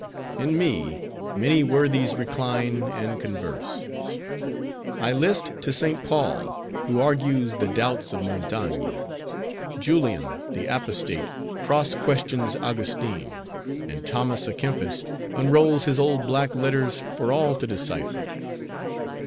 In me, many worthies recline, and converse. I list to St. Paul who argues the doubts of Montaigne; Julian the Apostate cross questions Augustine; and Thomas a Kempis unrolls his old black letters for all to decipher.